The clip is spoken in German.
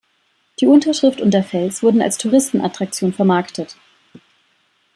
Die Unterschrift und der Fels wurden als Touristen-Attraktion vermarktet.